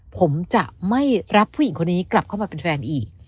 ผมจะไม่รับผู้หญิงคนนี้กลับเข้ามาเป็นแฟนอีก